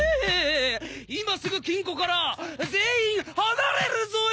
今すぐ金庫から全員離れるぞえ！